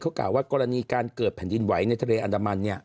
กล่าวว่ากรณีการเกิดแผ่นดินไหวในทะเลอันดามัน